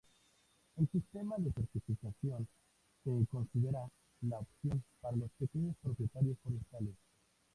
El sistema de certificación se considera la opción para los pequeños propietarios forestales.